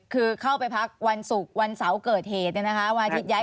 คือเข้าไปพักวันศุกร์วันเสาร์เกิดเหตุเนี่ยนะคะวันอาทิตย้าย